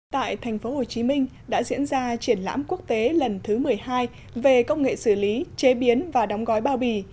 tại tp hcm đã diễn ra triển lãm quốc tế lần thứ một mươi hai về công nghệ xử lý chế biến và đóng gói bao bì